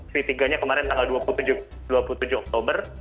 v tiga nya kemarin tanggal dua puluh tujuh oktober